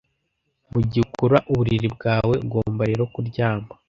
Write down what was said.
Mugihe ukora uburiri bwawe, ugomba rero kuryama.